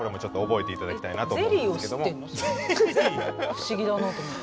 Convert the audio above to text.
不思議だなと思って。